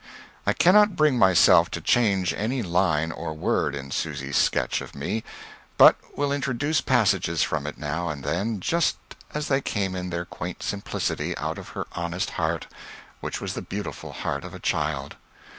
I cannot bring myself to change any line or word in Susy's sketch of me, but will introduce passages from it now and then just as they came in their quaint simplicity out of her honest heart, which was the beautiful heart of a child.